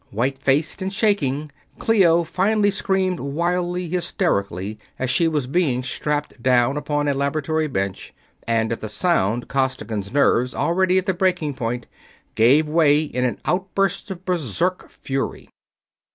White faced and shaking, Clio finally screamed wildly, hysterically, as she was being strapped down upon a laboratory bench; and at the sound Costigan's nerves, already at the breaking point, gave way in an outburst of berserk fury.